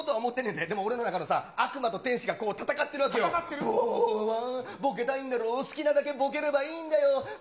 えでも俺の中でさ、悪魔と天使が戦ってるわけよ、ボケたいんだろう、好きなだけボケればいいんだよ、ぴ